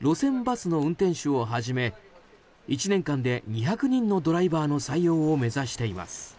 路線バスの運転手をはじめ１年間で２００人のドライバーの採用を目指しています。